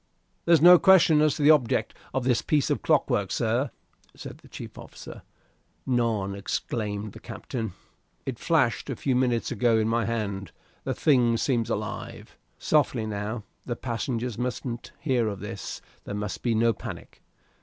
"There's no question as to the object of this piece of clockwork, sir," said the chief officer. "None," exclaimed the captain; "it flashed a few minutes ago in my hand. The thing seems alive. Softly, now. The passengers mustn't hear of this: there must be no panic.